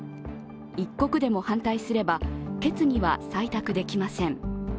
１国でも反対すれば決議は採択できません。